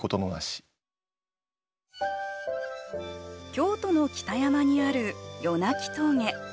京都の北山にある夜泣峠。